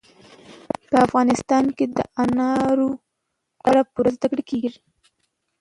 په افغانستان کې د انارو په اړه پوره زده کړه کېږي.